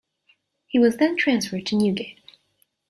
He was then transferred to Newgate.